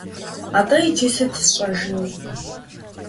Атӏэ иджы сыт сщӏэжынур?